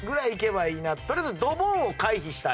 とりあえずドボンを回避したい。